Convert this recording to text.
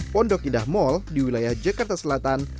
pondok idah mall di wilayah jakarta selatan